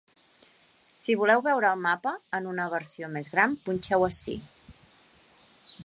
Si voleu veure el mapa en una versió més gran, punxeu ací.